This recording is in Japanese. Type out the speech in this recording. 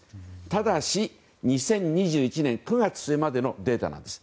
ただし、２０２１年９月末までのデータです。